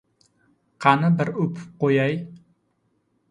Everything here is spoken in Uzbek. Qani, bir o‘pib qo‘yay!